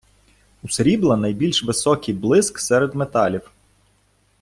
У срібла найбільш високий блиск серед металів